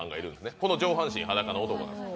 この上半身裸の男なんですけど。